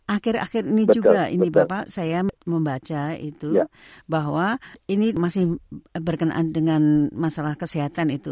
akhir akhir ini juga ini bapak saya membaca itu bahwa ini masih berkenaan dengan masalah kesehatan itu